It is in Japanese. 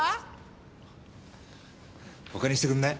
他にしてくんない？